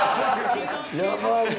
やばいな。